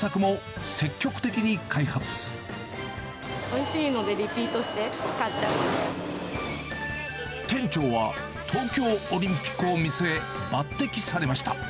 おいしいので、店長は、東京オリンピックを見据え、抜てきされました。